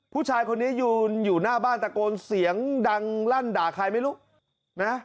ผู้ชายคนนี้ยืนอยู่หน้าบ้านตะโกนเสียงดังลั่นด่าใครไม่รู้นะ